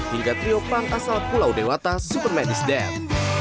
hingga trio punk asal pulau dewata superman is dead